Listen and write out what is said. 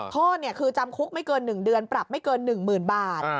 โทษคือจำคุกไม่เกิน๑เดือนปรับไม่เกิน๑๐๐๐บาท